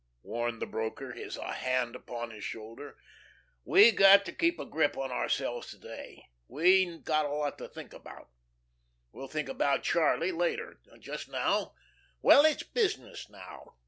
warned the broker, his hand upon his shoulder, "we got to keep a grip on ourselves to day. We've got a lot to think of. We'll think about Charlie, later. Just now ... well it's business now.